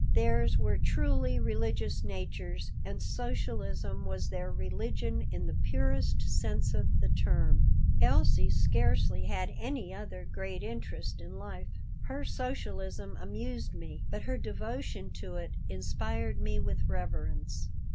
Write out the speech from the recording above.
Theirs were truly religious natures, and socialism was their religion in the purest sense of the term. Elsie scarcely had any other great interest in life. Her socialism amused me, but her devotion to it inspired me with reverence.